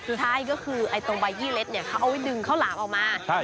ใช่ก็คือตรงใบยี่เล็ดเนี่ยเขาเอาไว้ดึงข้าวหลามออกมา